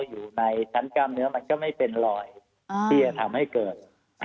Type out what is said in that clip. อยู่ในชั้นกล้ามเนื้อมันก็ไม่เป็นรอยที่จะทำให้เกิด